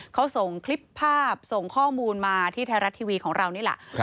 เขาส่งคลิปภาพส่งข้อมูลมาที่ไทยรัฐทีวีของเรานี่แหละ